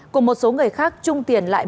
cùng một số người khác trung tiền lại